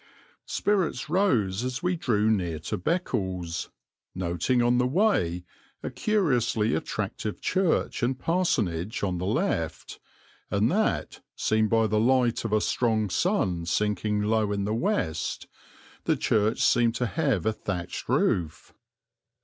Spirits rose as we drew near to Beccles, noting on the way a curiously attractive church and parsonage on the left, and that, seen by the light of a strong sun sinking low in the west, the church seemed to have a thatched roof.